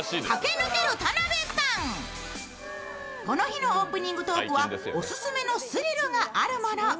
この日のオープニングトークはオススメのスリルがあるもの。